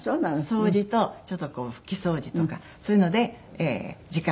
掃除とちょっと拭き掃除とかそういうので時間を潰して。